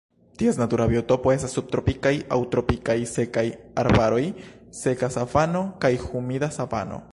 Ties natura biotopo estas subtropikaj aŭ tropikaj sekaj arbaroj, seka savano kaj humida savano.